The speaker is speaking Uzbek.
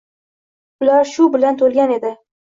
Ular shu bilan to‘lgan edi.